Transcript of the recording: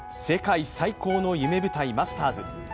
世界最高の夢舞台、マスターズ。